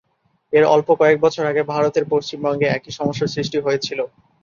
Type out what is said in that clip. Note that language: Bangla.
এর অল্প কয়েক বছর আগে ভারতের পশ্চিমবঙ্গে একই সমস্যা সৃষ্টি হয়েছিল।